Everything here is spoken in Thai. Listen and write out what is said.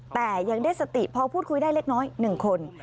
แต่ยังได้สติพอพูดคุยได้เล็กน้อย๑คน